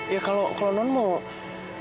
ya kalau non mau